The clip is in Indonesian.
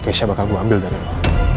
kesnya bakal gue ambil dari lo